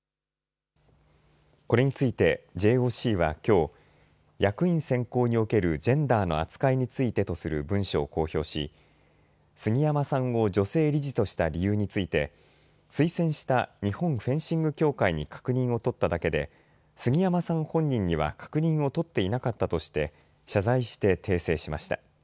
これについてＪＯＣはきょう、役員選考におけるジェンダーの扱いについてとする文章を公表し、杉山さんを女性理事とした理由について推薦した日本フェンシング協会に確認を取っただけで杉山さん本人には確認を取っていなかったとして謝罪して訂正しました。